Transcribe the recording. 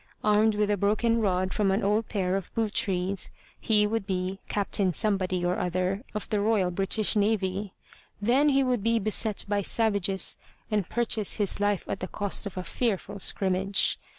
Armed with a broken rod from an old pair of boot trees, he would be Captain Somebody or other of the Royal British Navy. Then he would be beset by savages and purchase his life at the cost of a fearful scrimmage.